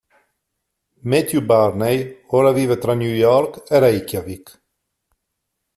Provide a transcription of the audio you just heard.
Matthew Barney ora vive tra New York e Reykjavík.